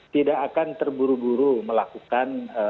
tidak akan terburu buru melakukan